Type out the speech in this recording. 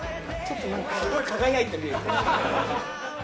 すごい輝いて見える。